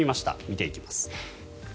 見ていきます。